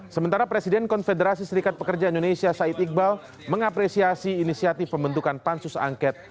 sementara presiden konfederasi serikat pekerja indonesia said iqbal mengapresiasi inisiatif pembentukan pansus angket